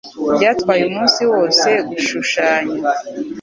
Byatwaye umunsi wose gushushanya.